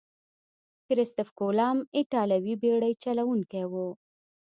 کرستف کولمب ایتالوي بیړۍ چلوونکی وو.